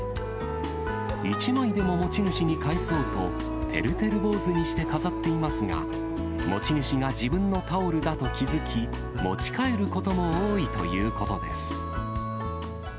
１枚でも持ち主に返そうと、てるてる坊主にして飾っていますが、持ち主が自分のタオルだと気付き、持ち帰ることも多いということです。